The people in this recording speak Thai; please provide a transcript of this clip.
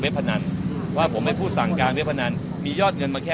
ที่เห็นบอกว่ามีชื่อยงไปบัญชีม้านะคะ